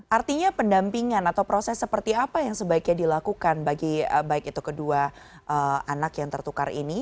artinya pendampingan atau proses seperti apa yang sebaiknya dilakukan bagi baik itu kedua anak yang tertukar ini